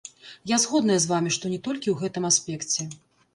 Я згодная з вамі, што не толькі ў гэтым аспекце.